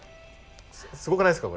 すごくないですか？